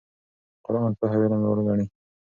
قرآن پوهه او علم لوړ ګڼي.